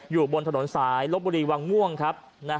อยู่บนถนนสายลบบุรีวังม่วงครับ